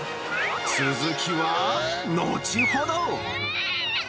続きは後ほど。